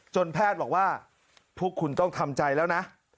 แพทย์บอกว่าพวกคุณต้องทำใจแล้วนะ